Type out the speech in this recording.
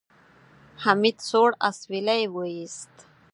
حميد سوړ اسويلی وېست.